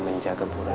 terima kasih pak